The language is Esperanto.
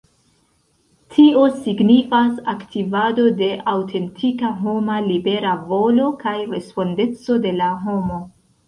Tio signifas aktivado de aŭtentika homa libera volo kaj respondeco de la homo.